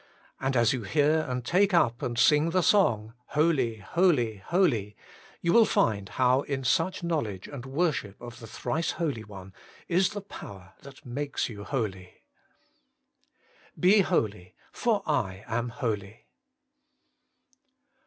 And as you hear and take up and sing the song, HOLY, HOLY, HOLY, you will find how in such knowledge and worship of the Thrice Holy One is the power that makes you holy. BE HOLY, FOE I AM HOLY.